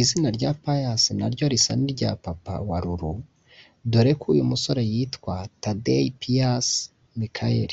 Izina rya Pius naryo risa n’irya papa wa Lulu dore ko uyu musore yitwa Thadei Pius Michael